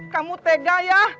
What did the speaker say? kamu tega ya